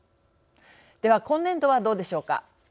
では今年度はどうでしょうか。